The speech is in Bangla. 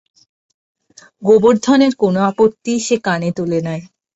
গোবর্ধনের কোনো আপত্তিই সে কানে তোলে নাই।